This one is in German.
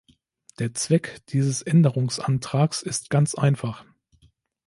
Der Zweck dieses Änderungsantrags ist ganz einfach.